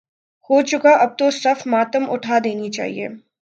ہو چکا اب تو صف ماتم اٹھاد ینی چاہیے۔